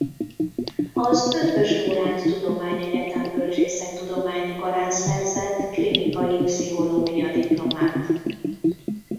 Az Eötvös Loránd Tudományegyetem Bölcsészettudományi Karán szerzett klinikai pszichológia diplomát.